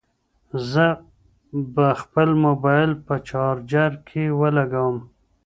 زه به خپل موبایل په چارجر کې ولګوم.